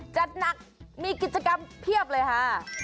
จัดหนักมีกิจกรรมเพียบเลยค่ะ